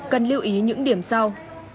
cần lưu ý những điểm sau